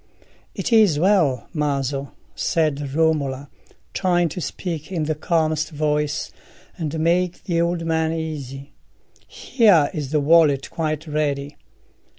"It is well, Maso," said Romola, trying to speak in the calmest voice, and make the old man easy. "Here is the wallet quite ready.